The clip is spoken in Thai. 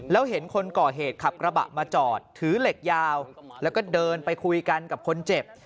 แล้วเห็นคนก่อเหตุขับกระบะมาจอดถือเหล็กยาวแล้วก็เดินไปคุยกันกับคนเจ็บ